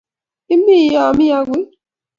Imi iyoe me agui?